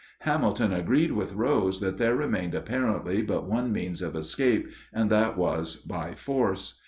Hamilton agreed with Rose that there remained apparently but one means of escape, and that was by force.